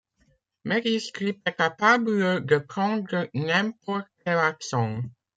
Meryl Streep est capable de prendre n'importe quel accent.